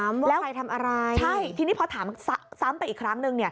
ว่าใครทำอะไรใช่ทีนี้พอถามซ้ำไปอีกครั้งหนึ่ง